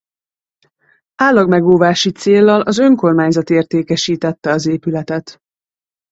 Állagmegóvási céllal az önkormányzat értékesítette az épületet.